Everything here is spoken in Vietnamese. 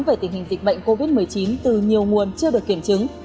về tình hình dịch bệnh covid một mươi chín từ nhiều nguồn chưa được kiểm chứng